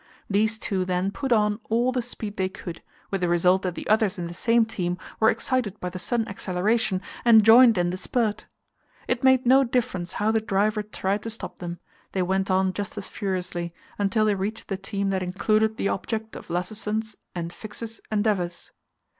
These two then put on all the speed they could, with the result that the others in the same team were excited by the sudden acceleration, and joined in the spurt. It made no difference how the driver tried to stop them; they went on just as furiously, until they reached the team that included the object of Lassesen's and Fix's endeavours.